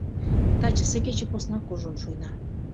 Тачысе кече поснак кужун шуйна.